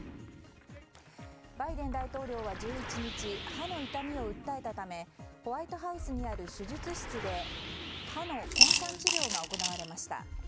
バイデン大統領は、１１日歯の痛みを訴えたためホワイトハウスにある手術室で歯の根管治療が行われました。